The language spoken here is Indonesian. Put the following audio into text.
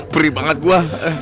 perih banget gua